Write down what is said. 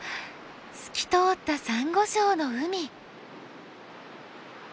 透き通ったサンゴ礁の海。